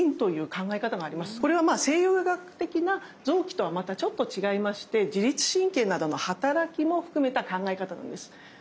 これはまあ西洋医学的な臓器とはまたちょっと違いまして自律神経などのはたらきも含めた考え方なんです。